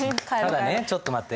ただねちょっと待って。